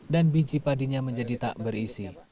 dan biji padinya menjadi tak berisi